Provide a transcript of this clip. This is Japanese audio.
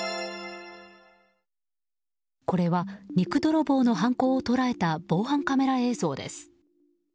これは肉泥棒の犯行を捉えた防犯カメラ映像です。